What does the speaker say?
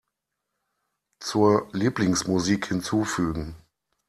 Zur Lieblingsmusik hinzufügen.